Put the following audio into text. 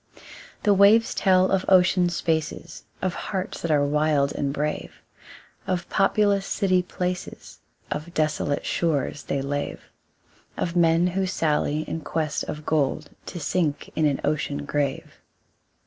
The waves tell of ocean spaces, Of hearts that are wild and brave, Of populous city places, Of desolate shores they lave, Of men who sally in quest of gold To sink in an ocean grave.